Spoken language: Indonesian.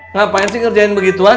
ngapain sih ngerjain begituan